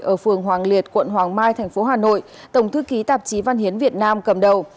ở phường hoàng liệt quận hoàng mai thành phố hà nội tổng thư ký tạp chí văn hiến việt nam cầm đầu